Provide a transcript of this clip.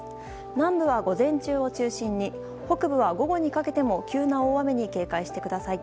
南部は午前中を中心に北部は午後にかけても急な大雨に警戒してください。